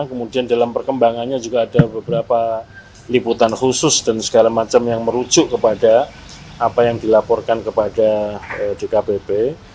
kemudian dalam perkembangannya juga ada beberapa liputan khusus dan segala macam yang merujuk kepada apa yang dilaporkan kepada dkpp